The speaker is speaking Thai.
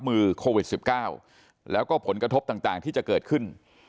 โควิด๑๙แล้วก็ผลกระทบต่างที่จะเกิดขึ้น